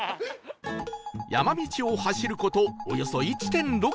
山道を走る事およそ １．６ キロ